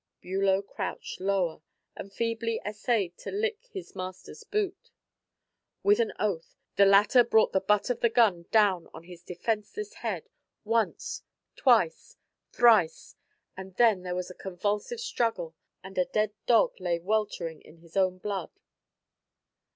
Bulow crouched lower and feebly essayed to lick his master's boot. With an oath, the latter brought the butt of the gun down on his defenceless head, once, twice, thrice, and then there was a convulsive struggle and a dead dog lay weltering in his own blood.